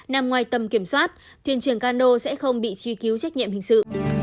nằm ngoài tầm kiểm soát thuyền trường cano sẽ không bị truy cứu trách nhiệm hình sự